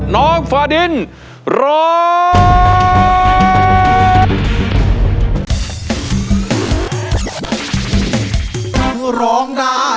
น้องฟ้าดินร้อง